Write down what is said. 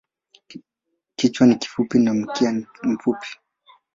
Kichwa ni kifupi na mkia ni mfupi.